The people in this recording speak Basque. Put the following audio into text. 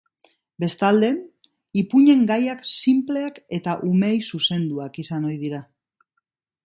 Bestalde, ipuinen gaiak sinpleak eta umeei zuzenduak izan ohi dira.